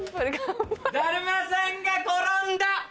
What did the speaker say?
だるまさんが転んだ。